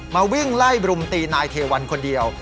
วิ่งไล่รุมตีนายเทวันคนเดียว